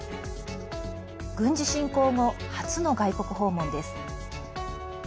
軍事侵攻後、初の外国訪問です。